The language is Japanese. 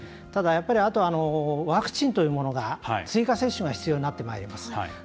ただ、やっぱりあとはワクチンというものが追加接種が必要になってまいります。